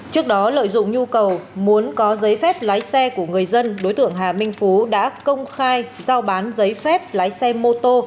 trước đó lợi dụng nhu cầu muốn có giấy phép lái xe của người dân đối tượng hà minh phú đã công khai giao bán giấy phép lái xe mô tô